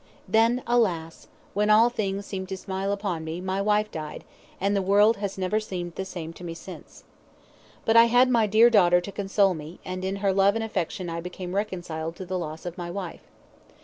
Then, alas! when all things seemed to smile upon me, my wife died, and the world has never seemed the same to me since. But I had my dear daughter to console me, and in her love and affection I became reconciled to the loss of my wife.